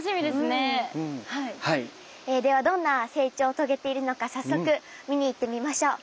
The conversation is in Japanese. ではどんな成長を遂げているのか早速見に行ってみましょう！